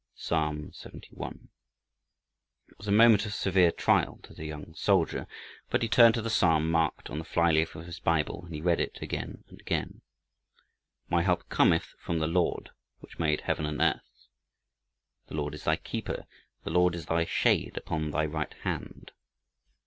Psalm cxxi It was a moment of severe trial to the young soldier. But he turned to the Psalm marked on the fly leaf of his Bible, and he read it again and again. "My help cometh from the Lord which made heaven and earth" "The Lord is thy keeper: the Lord is thy shade upon thy right hand."